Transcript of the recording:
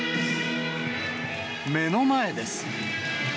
目の前です。